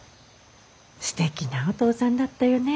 すてきなお父さんだったよね。